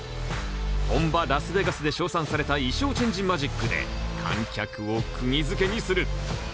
本場ラスベガスで称賛された衣装チェンジマジックで観客をくぎづけにする。